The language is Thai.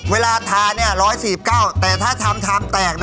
เวลาทาเนี่ย๑๔๙แต่ถ้าทำแตกนะครับ